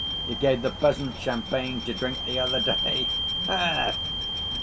You gave the peasants champagne to drink the other day, e—ech!"